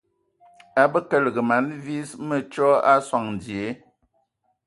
A bə kəlǝg mana vis mǝtsɔ a sɔŋ dzie.